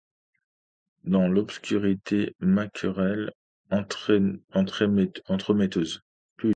Dans l’obscurité! maquerelle, entremetteuse !